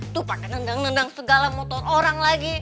tuh pakai nendang nendang segala motor orang lagi